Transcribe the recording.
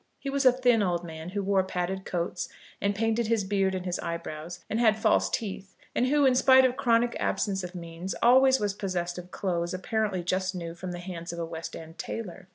He was a thin old man, who wore padded coats, and painted his beard and his eyebrows, and had false teeth, and who, in spite of chronic absence of means, always was possessed of clothes apparently just new from the hands of a West end tailor.